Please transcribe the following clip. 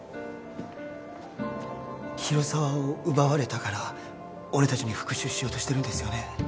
広沢を奪われたから俺達に復讐しようとしてるんですよね？